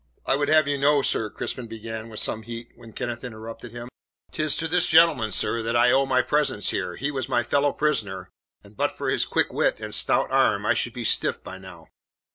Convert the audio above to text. "I would have you know, sir," Crispin began, with some heat, when Kenneth interrupted him. "Tis to this gentleman, sir, that I owe my presence here. He was my fellow prisoner, and but for his quick wit and stout arm I should be stiff by now.